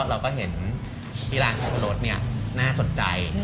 เราก็เห็นชีวิตร้านของรถน่าสนใจ